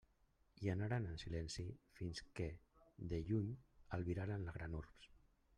I anaren en silenci fins que de lluny albiraren la gran urbs.